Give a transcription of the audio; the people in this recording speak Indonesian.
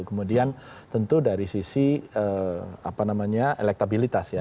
kemudian tentu dari sisi apa namanya elektabilitas ya